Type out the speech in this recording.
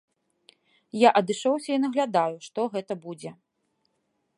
Я адышоўся і наглядаю, што гэта будзе.